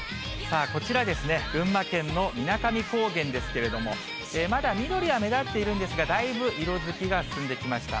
さあ、こちら、群馬県のみなかみ高原ですけれども、まだ緑は目立っているんですが、だいぶ色づきが進んできました。